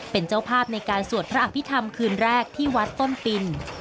เป็นเจ้าภาพในการสวดพระอภิษฐรรมคืนแรกที่วัดต้นปิน